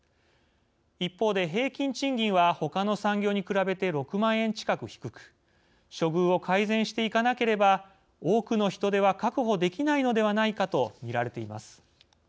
一方で、平均賃金はほかの産業に比べて６万円近く低く処遇を改善していかなければ多くの人手は確保できないのではないかとみられています。